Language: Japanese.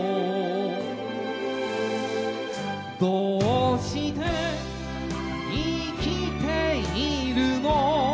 「どうして生きているの？」